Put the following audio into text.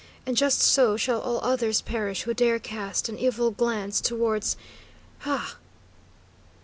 And just so shall all others perish who dare cast an evil glance towards ha!"